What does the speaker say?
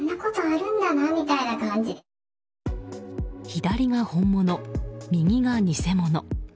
左が本物、右が偽物。